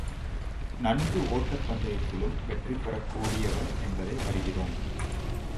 நன்கு ஓட்டப்பந்தயத்திலும் வெற்றி பெறக் கூடியவர் என்பதை அறிகிறோம்.